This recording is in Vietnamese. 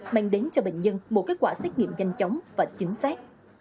mang đến cho bệnh nhân một kết quả xét nghiệm nhanh chóng và chính xác